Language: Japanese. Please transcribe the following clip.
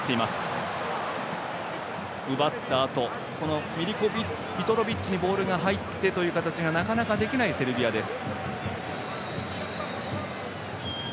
奪ったあと、ミトロビッチにボールが入ってという形でなかなかできないセルビアです。